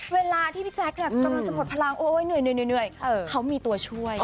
เวลาที่พี่แจ๊คกำลังจะหมดพลังโอ๊ยเหนื่อยเขามีตัวช่วย